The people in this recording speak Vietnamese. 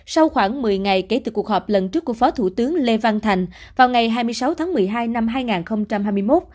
sau khoảng một mươi ngày kể từ cuộc họp lần trước của phó thủ tướng lê văn thành vào ngày hai mươi sáu tháng một mươi hai năm hai nghìn hai mươi một